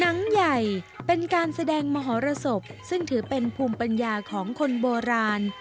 หนังใหญ่เป็นการแสดงมหรสบซึ่งถือเป็นภูมิปัญญาของคนโบราณ